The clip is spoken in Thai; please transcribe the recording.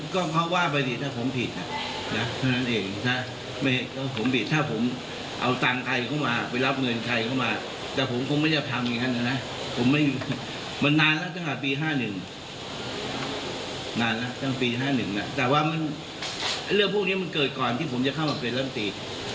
ก็ว่าไปดีถ้าผมผิดถ้าผมเอาตังค์ใครเข้ามาไปรับเงินใครเข้ามาแต่ผมก็ไม่ได้ทำอย่างนั้นนะมันนานแล้วตั้งแต่ปี๕๑นานแล้วตั้งปี๕๑น่ะแต่ว่าเรื่องพวกนี้มันเกิดก่อนที่ผมจะเข้ามาเป็นร้านตรี